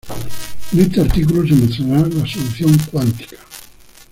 En este artículo se mostrará la solución cuántica.